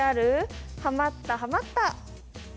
ＶＴＲハマったハマった！